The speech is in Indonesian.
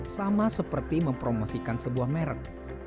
sama seperti mempromosikan sebuah merek